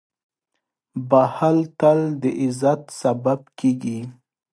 • بښل تل د عزت سبب کېږي.